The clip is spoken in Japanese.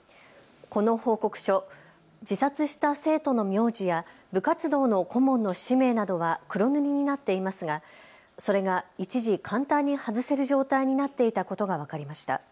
この報告書、自殺した生徒の名字や部活動の顧問の氏名などは黒塗りになっていますがそれが一時、簡単に外せる状態になっていたことが分かりました。